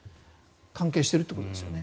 関係しているということですね。